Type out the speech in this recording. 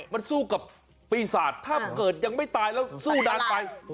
มันสู้กับปีศาจถ้าเกิดยังไม่ตายแล้วสู้นานไป